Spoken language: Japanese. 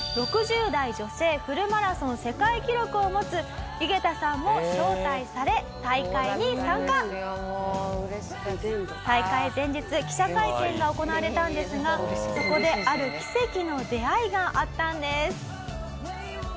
「６０代女性フルマラソン世界記録を持つユゲタさんも招待され大会に参加」「大会前日記者会見が行われたんですがそこである奇跡の出会いがあったんです」